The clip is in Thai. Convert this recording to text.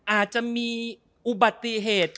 อาจจะมีอุบัติเหตุ